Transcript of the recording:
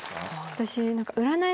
私。